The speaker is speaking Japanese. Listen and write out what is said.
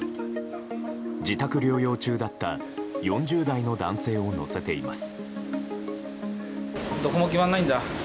自宅療養中だった４０代の男性を乗せています。